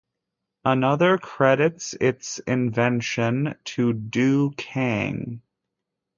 Another credits its invention to Du Kang.